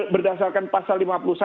berdasarkan pasal lima puluh satu